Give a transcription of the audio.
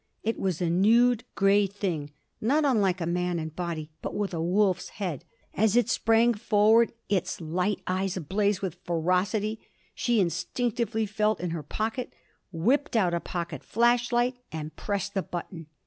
It was a nude grey thing, not unlike a man in body, but with a wolf's head. As it sprang forward, its light eyes ablaze with ferocity, she instinctively felt in her pocket, whipped out a pocket flash light, and pressed the button.